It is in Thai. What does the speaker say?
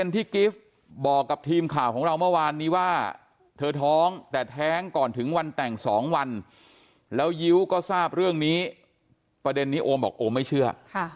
ที่กิฟต์บอกกับทีมข่าวของเราเมื่อวานนี้ว่าเธอท้องแต่แท้งก่อนถึงวันแต่ง๒วันแล้วยิ้วก็ทราบเรื่องนี้ประเด็นนี้โอมบอกโอมไม่เชื่อ